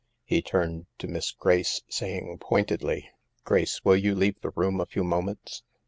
" 6 He turned to Miss Grace, saying point edly :" 4 " Grace, will you leave the room a few moments